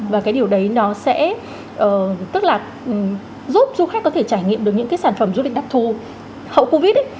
và cái điều đấy nó sẽ tức là giúp du khách có thể trải nghiệm được những cái sản phẩm du lịch đặc thù hậu covid